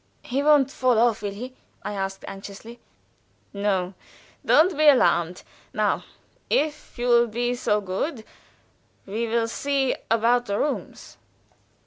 "He won't fall off, will he?" I asked, anxiously. "No; don't be alarmed. Now, if you will be so good, we will see about the rooms."